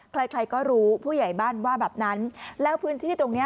ใครใครก็รู้ผู้ใหญ่บ้านว่าแบบนั้นแล้วพื้นที่ตรงเนี้ย